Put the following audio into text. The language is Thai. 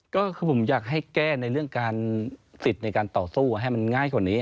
ก็คือผมอยากให้แก้ในเรื่องการสิทธิ์ในการต่อสู้ให้มันง่ายกว่านี้